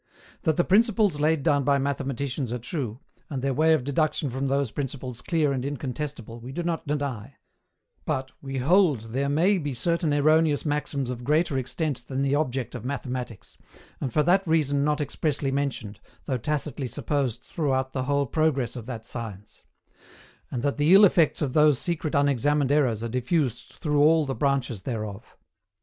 That the principles laid down by mathematicians are true, and their way of deduction from those principles clear and incontestible, we do not deny; but, we hold there may be certain erroneous maxims of greater extent than the object of Mathematics, and for that reason not expressly mentioned, though tacitly supposed throughout the whole progress of that science; and that the ill effects of those secret unexamined errors are diffused through all the branches thereof.